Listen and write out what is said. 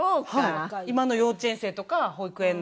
今の幼稚園生とか保育園の子たちは。